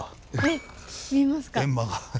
えっ見えますか？